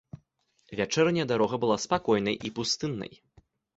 Вячэрняя дарога была спакойнай і пустыннай.